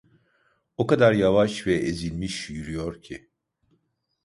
O kadar yavaş ve ezilmiş yürüyor ki…